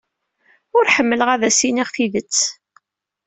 Ur ḥemmleɣ ad as-iniɣ tidet.